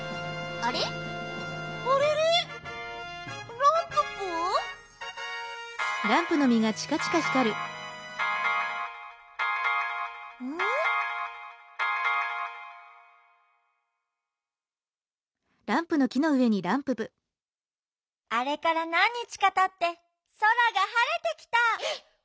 あれからなんにちかたってそらがはれてきた！